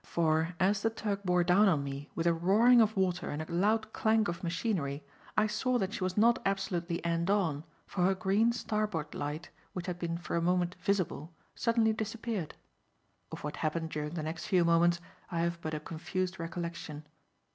For, as the tug bore down on me, with a roaring of water and a loud clank of machinery, I saw that she was not absolutely end on, for her green starboard light, which had been for a moment visible, suddenly disappeared. Of what happened during the next few moments, I have but a confused recollection.